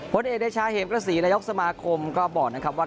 ผลเอกเดชาเหมกระศรีนายกสมาคมก็บอกนะครับว่า